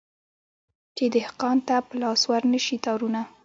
چي دهقان ته په لاس ورنه سي تارونه